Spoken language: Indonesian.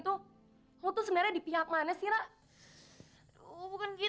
tunggu ya ngapain disini